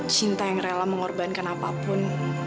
cinta yang rela mengorbankan apapun